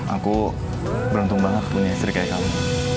aku beruntung banget punya istri kayak kamu